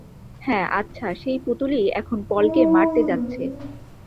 হ্যাঁ, আচ্ছা, সেই পুতুলই এখন পল কে মারতে যাচ্ছে!